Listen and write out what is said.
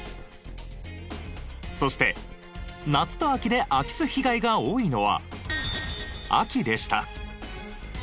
そして夏と秋で空き巣被害が多いのは秋でした。